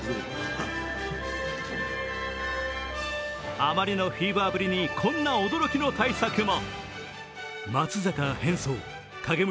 あまりのフィーバーぶりにこんな驚きの対策も。